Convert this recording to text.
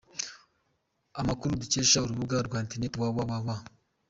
Amakuru dukesha urubuga rwa interineti www.